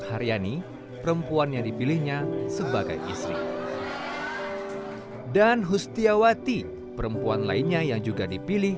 haryani perempuan yang dipilihnya sebagai istri dan hustiawati perempuan lainnya yang juga dipilih